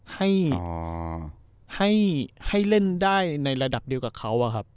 ให้อ๋อให้ให้เล่นได้ในระดับเดียวกับเขาอ่ะครับ